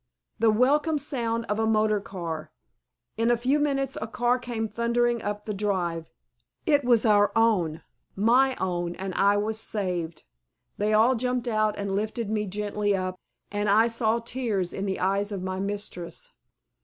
The welcome sound of a motor car!!! In a few minutes a car came thundering up the drive. It was our own my own and I was saved. They all jumped out and lifted me tenderly up and I saw tears in the eyes of my mistress.